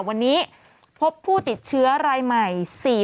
วันนี้พบผู้ติดเชื้อรายใหม่